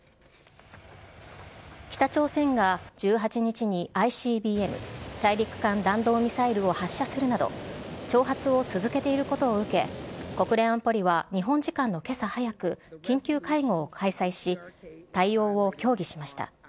北朝鮮が１８日に、ＩＣＢＭ・大陸間弾道ミサイルを発射するなど、挑発を続けていることを受け、国連安保理は日本時間のけさ早く、緊急会合を開催し、対応を協議しました。